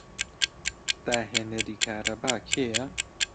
داهێنەری کارەبا کێیە؟